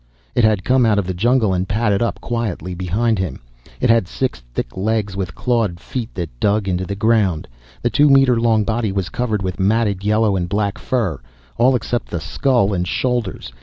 It had come out of the jungle and padded up quietly behind him. It had six thick legs with clawed feet that dug into the ground. The two meter long body was covered with matted yellow and black fur, all except the skull and shoulders.